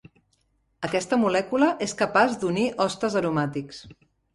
Aquesta molècula és capaç d'unir hostes aromàtics.